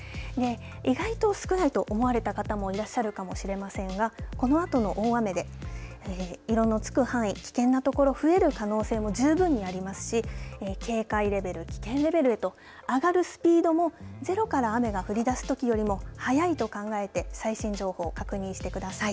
意外と少ないと思われた方もいらっしゃるかもしれませんがこのあとの大雨で色のつく範囲危険なところが増える可能性も十分にありますし警戒レベル、危険レベルへと上がるスピードもゼロから雨が降り出すよりも早いと考えて最新情報を確認してください。